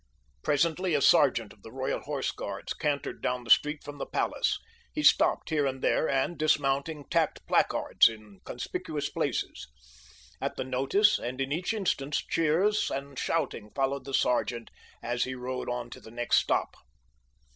Presently a sergeant of the Royal Horse Guards cantered down the street from the palace. He stopped here and there, and, dismounting, tacked placards in conspicuous places. At the notice, and in each instance cheers and shouting followed the sergeant as he rode on to the next stop.